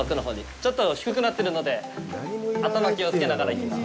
ちょっと低くなってるので頭、気をつけながら行きます。